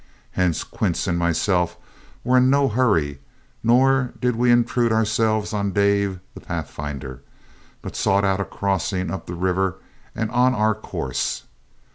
Hence Quince and myself were in no hurry, nor did we intrude ourselves on David the pathfinder, but sought out a crossing up the river and on our course.